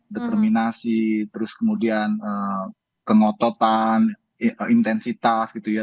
determinasi terus kemudian kengototan intensitas gitu ya